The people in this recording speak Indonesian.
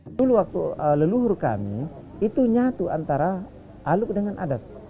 dulu waktu leluhur kami itu nyatu antara alut dengan adat